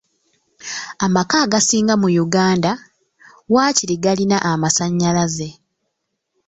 Amaka agasinga mu Uganda waakiri galina amasannyalaze.